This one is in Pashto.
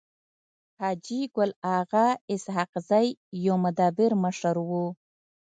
حاجي ګل اغا اسحق زی يو مدبر مشر وو.